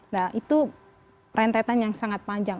nah itu rentetan yang sangat panjang